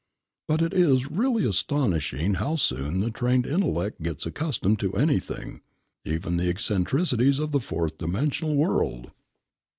But it is really astonishing how soon the trained intellect gets accustomed to anything even the eccentricities of the fourth dimensional world.